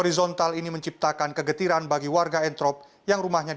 rasa luka arya motto bagi sebagai nomoriksecurity